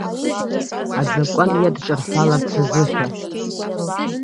Азакәан иадҿарҳәаларц азыҳәа.